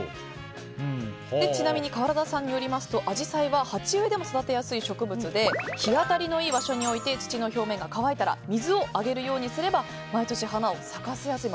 ちなみに川原田さんによりますとアジサイは鉢植えでも育てやすい植物で日当りのいい場所に置いて土の表面が乾いたら水を上げるようにすれば毎年花を咲かせやすい。